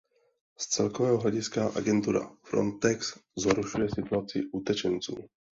Z celkového hlediska agentura Frontex zhoršuje situaci utečenců.